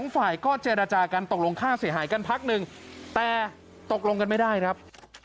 ฝ่ายก็เจรจากันตกลงค่าเสียหายกันพักหนึ่งแต่ตกลงกันไม่ได้ครับ